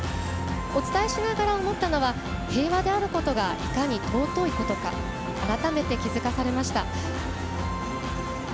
お伝えしながら思ったのが平和であることがいかに尊いかということ改めて気付かされました。